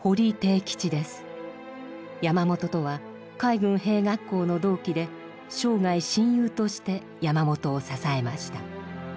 山本とは海軍兵学校の同期で生涯親友として山本を支えました。